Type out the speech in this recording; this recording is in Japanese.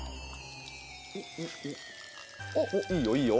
おっいいよいいよ。